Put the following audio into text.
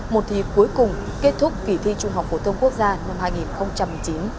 một thi cuối cùng kết thúc kỳ thi trung học phổ thông quốc gia năm hai nghìn một mươi chín